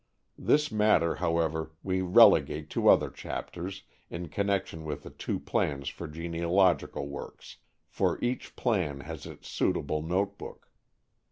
This matter, however, we relegate to other chapters, in connection with the two plans for genealogical works, for each plan has its suitable notebook.